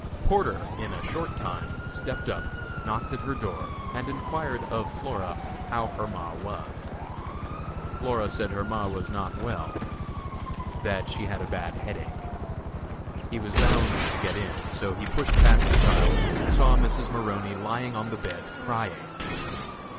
Porter, in a short time, stepped up, knocked at her door and enquired of Flora how her ma was. Flora said her ma was not well, that she had a bad headache. He was bound to get in, so he pushed past the child and saw Mrs. Maroney lying on the bed crying.